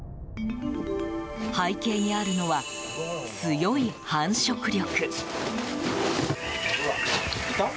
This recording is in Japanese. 背景にあるのは強い繁殖力。